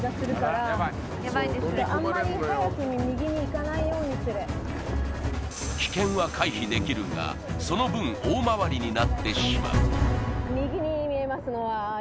から危険は回避できるがその分大回りになってしまう